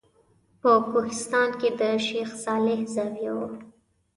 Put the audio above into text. په کوهستان کې د شیخ صالح زاویه وه.